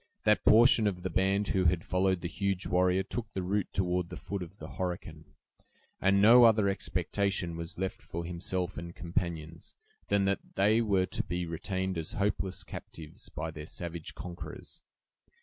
That portion of the band who had followed the huge warrior took the route toward the foot of the Horican, and no other expectation was left for himself and companions, than that they were to be retained as hopeless captives by their savage conquerors.